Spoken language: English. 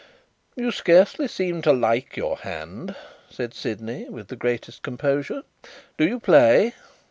"You scarcely seem to like your hand," said Sydney, with the greatest composure. "Do you play?"